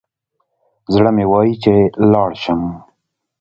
زړه مي وايي چي لاړ شم